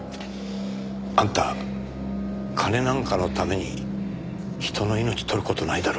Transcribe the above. あんた金なんかのために人の命取る事ないだろ。